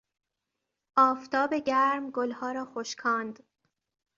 آفتاب گرم گلها را خشکاند.